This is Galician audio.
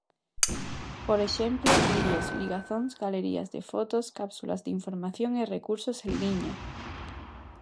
Por exemplo, vídeos, ligazóns, galerías de fotos, cápsulas de información e recursos en liña.